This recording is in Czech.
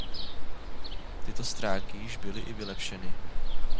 Tyto stránky již byly i vylepšeny.